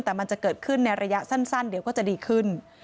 แต่มันจะเกิดขึ้นในระยะสั้นเดี๋ยวก็จะดีขึ้น